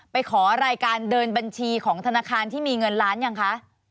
ไปขอรายการเดินบัญชีของธนาคารที่มีเงินล้านยังคะ